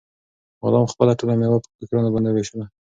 غلام خپله ټوله مېوه په فقیرانو باندې وویشله.